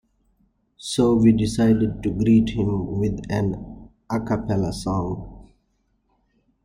So we decided to greet him with an acappella song.